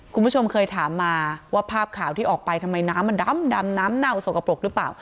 คุณผู้ชมเคยถามมาว่าภาพข่าวที่ออกไปทำไมน้ำมันดำน้ำเน่าสกปรกหรือเปล่า